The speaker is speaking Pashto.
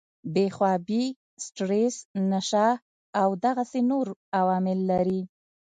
بې خوابي ، سټريس ، نشه او دغسې نور عوامل لري